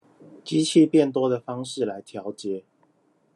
機器變多的方式來調節